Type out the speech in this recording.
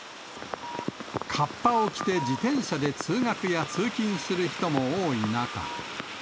かっぱを着て自転車で通学や通勤する人も多い中。